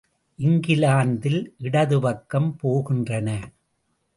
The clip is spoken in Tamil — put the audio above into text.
இங்கிலாந்தில் இடது பக்கம் போகின்றன.